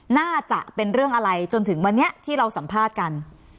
น่าจะเป็นเรื่องอะไรจนถึงวันนี้ที่เราสัมภาษณ์กัน